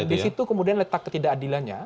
di situ kemudian letak ketidakadilannya